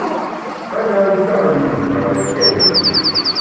A na nta’ mi Nchare tèt nkùt.